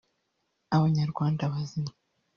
abanyarwanda bazima